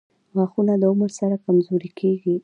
• غاښونه د عمر سره کمزوري کیږي.